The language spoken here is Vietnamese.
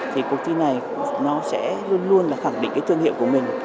thì cuộc thi này nó sẽ luôn luôn khẳng định tương hiệu của mình